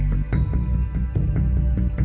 เวลาที่สุดท้าย